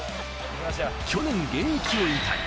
去年、現役を引退。